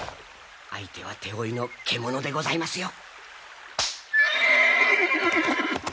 相手は手負いの獣でございますよ。